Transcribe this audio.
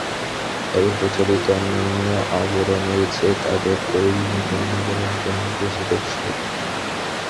তবে প্রচলিত অন্যান্য আবরণের চেয়ে তাঁদের তৈরি নতুন আবরণটি অনেক বেশি টেকসই।